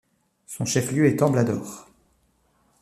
Son chef-lieu est Temblador.